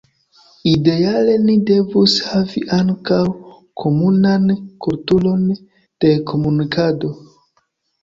Ideale oni devus havi ankaŭ komunan kulturon de komunikado.